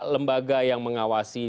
lembaga yang mengawasi